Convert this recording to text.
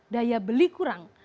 daya beli kurang